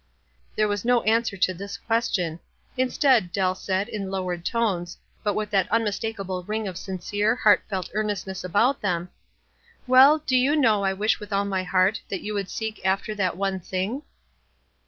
There was no answer to this question. In stead, Dell said, in lowered tones, but with that unmistakable ring of sincere, heartfelt earnest ness about them, —" Well, do you know I wish with all my heart that you would seek after that f One thing?'"